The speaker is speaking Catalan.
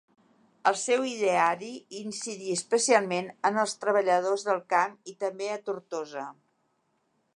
El seu ideari incidí especialment en els treballadors del camp i també a Tortosa.